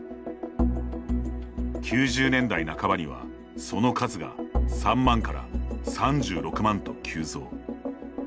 ９０年代半ばには、その数が３万から３６万と急増。